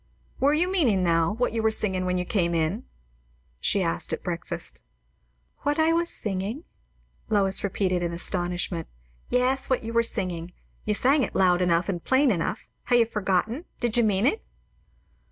"Were you meaning, now, what you were singing when you came in?" she asked at breakfast. "What I was singing?" Lois repeated in astonishment. "Yes, what you were singing. You sang it loud enough and plain enough; ha' you forgotten? Did you mean it?"